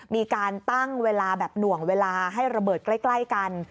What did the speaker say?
มีการตั้งเวลาแบบหน่วงเวลาให้ระเบิดใกล้กัน